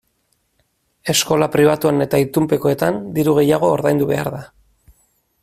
Eskola pribatuan eta itunpekoetan diru gehiago ordaindu behar da.